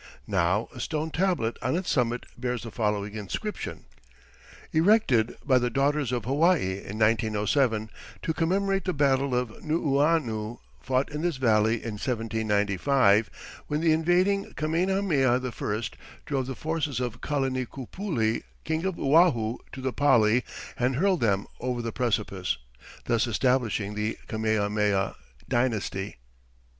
Now, a stone tablet on its summit bears the following inscription: "Erected by the Daughters of Hawaii in 1907 to commemorate the battle of Nuuanu, fought in this valley in 1795, when the invading Kamehameha I drove the forces of Kalanikupule, king of Oahu, to the Pali and hurled them over the precipice, thus establishing the Kamehameha dynasty."